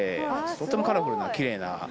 とってもカラフルなキレイな。